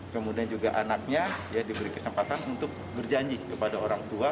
kemudian juga anaknya diberi kesempatan untuk berjanji kepada orang tua